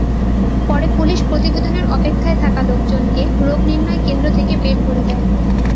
পরে পুলিশ প্রতিবেদনের অপেক্ষায় থাকা লোকজনকে রোগনির্ণয় কেন্দ্র থেকে বের করে দেয়।